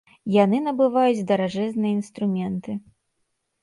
Яны набываюць даражэзныя інструменты.